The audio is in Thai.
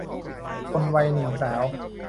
คนวัยหนุ่มสาว